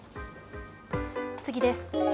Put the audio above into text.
次です。